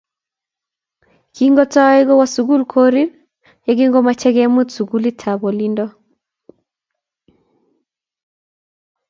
Kingotoi kowo sukul korir yekingomochei kemut sukulitap olindo